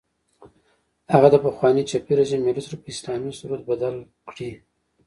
هغه د پخواني چپي رژیم ملي سرود په اسلامي سرود بدل کړي.